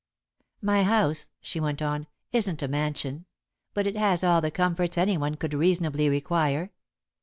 "My house," she went on, "isn't a mansion, but it has all the comforts anyone could reasonably require.